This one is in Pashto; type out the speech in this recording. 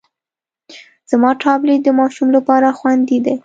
زما ټابلیټ د ماشوم لپاره خوندي دی.